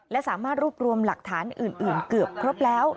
และสามารถรวบรวมหลักฐานอื่นเกือบครบแล้ว